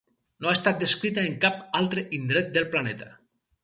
No ha estat descrita en cap altre indret del planeta.